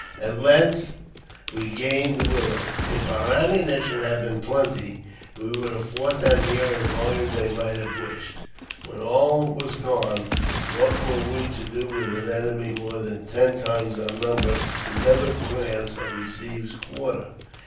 At length we gained the willows. If our ammunition had been plenty, we would have fought them here as long as they might have wished. When all was gone, what were we to do with an enemy more than ten times our number, who never grants or receives quarter